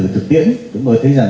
phải có tiết có thẩm quyền